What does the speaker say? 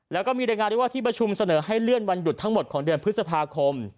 แล้วก็มีรายงานด้วยว่าที่ประชุมเสนอให้เลื่อนวันหยุดทั้งหมดของเดือนพฤษภาคม